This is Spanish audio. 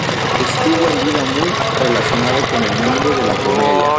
Estuvo en vida muy relacionado con el mundo de la comedia.